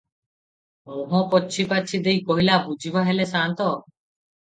ମୁହଁ ପୋଛିପାଛି ଦେଇ କହିଲା- ବୁଝିବା ହେଲେ ସାନ୍ତ!